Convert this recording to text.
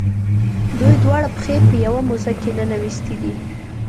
دوی دواړه پښې په یوه موزه کې ننویستي دي.